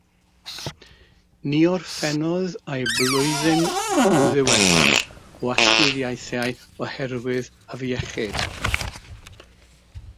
Ni orffennodd ei blwyddyn ddiwethaf o astudiaethau oherwydd afiechyd.